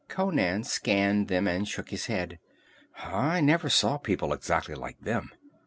Conan scanned them and shook his head. "I never saw people exactly like them.